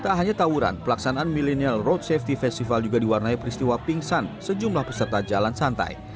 tak hanya tawuran pelaksanaan millennial road safety festival juga diwarnai peristiwa pingsan sejumlah peserta jalan santai